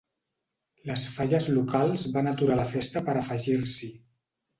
Les falles locals van aturar la festa per afegir-s’hi.